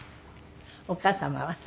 お母様は？